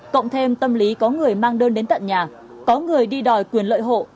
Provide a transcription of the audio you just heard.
cộng thêm tâm lý có người mang đơn đến tận nhà có người đi đòi quyền lợi hộ